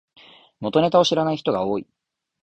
元ネタ知らない人の方が多い